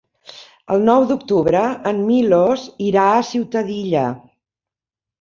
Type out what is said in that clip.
El nou d'octubre en Milos irà a Ciutadilla.